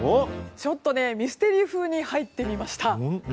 ちょっとミステリー風に入ってみました。